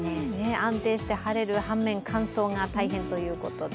安定して晴れる反面、乾燥が大変ということで。